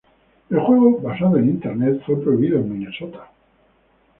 El juego basado en Internet fue prohibido en Minnesota.